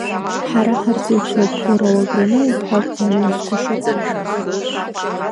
Ҳара ҳарҵаҩцәоуп, уара уагрономуп ҳәа акәӡам аусқәа шыҟоу…